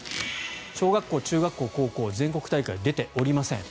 小学校、中学校、高校全国大会に出ておりません。